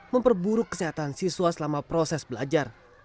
memperburuk kesehatan siswa selama proses belajar